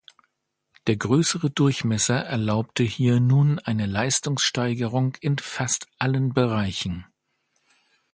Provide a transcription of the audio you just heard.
Der größere Durchmesser erlaubte hier nun eine Leistungssteigerung in fast allen Bereichen.